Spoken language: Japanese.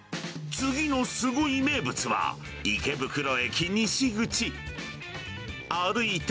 次のすごい名物は、池袋駅西口。